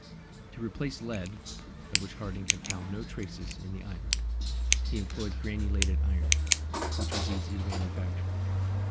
To replace lead, of which Harding had found no traces in the island, he employed granulated iron, which was easy to manufacture.